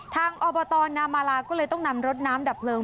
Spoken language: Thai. ทางอบทนามาราก็เลยต้องนำรถน้ำดับเปลือง